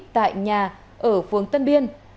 tại nhà ở phương tân biên